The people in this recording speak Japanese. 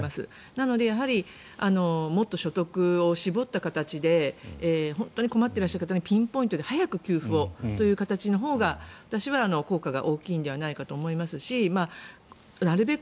なのでもっと所得を絞った形で本当に困っていらっしゃる方にピンポイントで給付をという形が私は効果が大きいのではないかと思いますしなるべく